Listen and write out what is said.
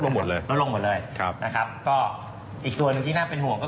เพราะฉะนั้นการลดอัตราต่อเบี้ยนี้ก็อาจจะช่วยได้บ้างนะครับ